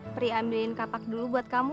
pri ambilin kapak dulu buat kamu